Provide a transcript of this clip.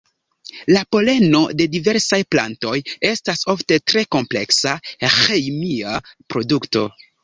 La poleno de diversaj plantoj estas ofte tre kompleksa "ĥemia produkto".